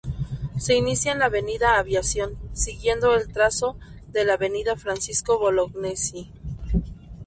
Se inicia en la avenida Aviación, siguiendo el trazo de la avenida Francisco Bolognesi.